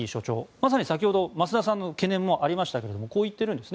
まさに先ほど増田さんの懸念もありましたけれどもこう言っているんです。